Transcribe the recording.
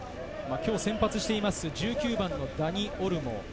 今日、先発している１９番のダニ・オルモ。